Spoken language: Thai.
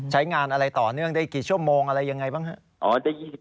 ใช้งานอะไรต่อเนื่องได้กี่ชั่วโมงอะไรยังไงบ้างครับ